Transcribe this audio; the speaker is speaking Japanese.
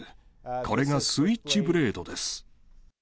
これがスイッチブレードです。